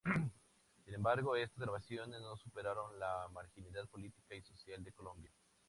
Sin embargo, estas grabaciones no superaron la marginalidad política y social de Colombia.